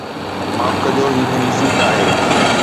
معاف ڪجو، هي منهنجي سيٽ آهي